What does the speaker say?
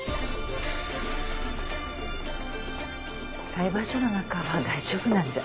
裁判所の中は大丈夫なんじゃ。